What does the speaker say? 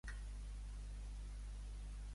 Quin personatge cèlebre menciona aquest déu?